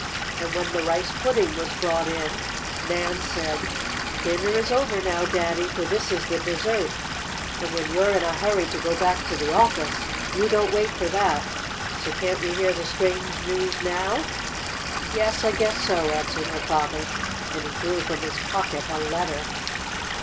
And when the rice pudding was brought in Nan said: "Dinner is over now, Daddy, for this is the dessert, and when you're in a hurry to go back to the office you don't wait for that. So can't we hear the strange news now?" "Yes, I guess so," answered her father, and he drew from his pocket a letter.